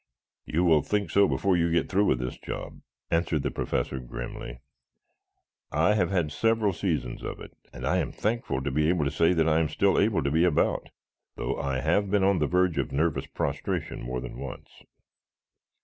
"You will think so before you get through with this job," answered the Professor grimly. "I have had several seasons of it, and I'm thankful to be able to say that I am still able to be about, though I have been on the verge of nervous prostration more than once."